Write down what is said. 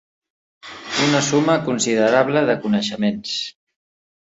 Una suma considerable de coneixements.